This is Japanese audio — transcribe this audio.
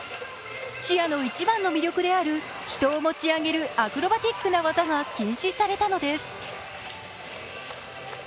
チアの一番の魅力である人を持ち上げるアクロバティックな技が禁止されたのです。